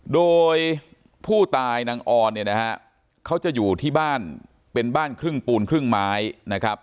โดยผู้ตายนางออนเนี่ยนะฮะเขาจะอยู่ที่บ้านเป็นบ้านครึ่งปูนครึ่งไม้นะครับ